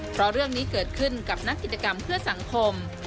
เพราะเรื่องนี้เกิดขึ้นกับนักกิจกรรมเพื่อสังคม